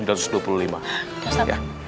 ya sudah pak